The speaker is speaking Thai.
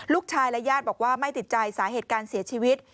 ลูกชายและญาติบอกว่าไม่ติดใจสาเหตุการเสียชีวิต